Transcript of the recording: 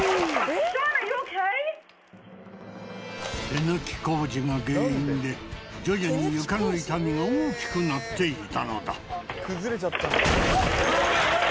手抜き工事が原因で徐々に床の傷みが大きくなっていたのだ・ＡｒｅｙｏｕＯＫ？